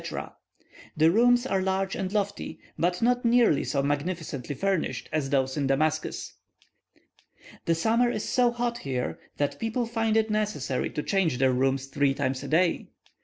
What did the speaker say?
The rooms are large and lofty, but not nearly so magnificently furnished as those in Damascus. The summer is so hot here, that people find it necessary to change their rooms three times a day.